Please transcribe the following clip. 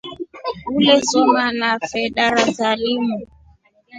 Ulesoma nafe darasa limu.